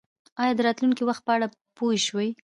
ایا د راتلونکي وخت په اړه پوه شوئ؟